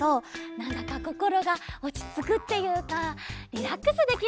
なんだかこころがおちつくっていうかリラックスできるんだよね。